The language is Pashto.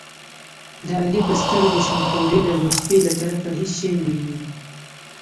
د علي په سترګو شمګوري ده، د شپې له طرفه هېڅ شی نه ویني.